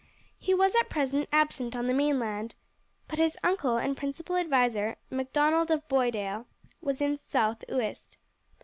He was at present absent on the mainland, but his uncle and principal adviser, Macdonald of Boisdale, was in South Uist.